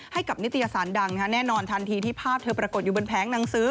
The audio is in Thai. ให้กับนิตยสารดังแน่นอนทันทีที่ภาพเธอปรากฏอยู่บนแผงหนังสือ